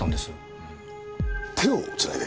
手をつないで？